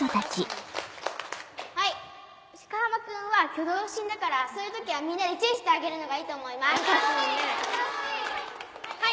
はい鹿浜君は挙動不審だからそういう時はみんなで注意してあげるのがいいと思います